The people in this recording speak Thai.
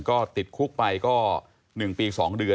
ก็ติดคุกไปก็หนึ่งปีสองเดือน